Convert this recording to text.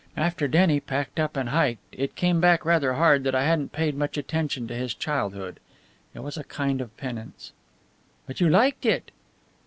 "After Denny packed up and hiked it came back rather hard that I hadn't paid much attention to his childhood. It was a kind of penance." "But you liked it!"